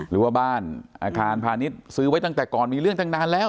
หรือว่าบ้านอาคารพาณิชย์ซื้อไว้ตั้งแต่ก่อนมีเรื่องตั้งนานแล้ว